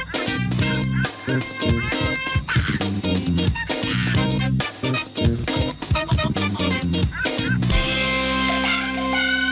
โปรดติดตามตอนต่อไป